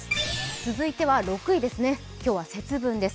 続いては６位ですね、今日は節分です。